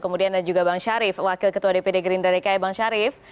kemudian ada juga bang syarif wakil ketua dpd gerindra dki bang syarif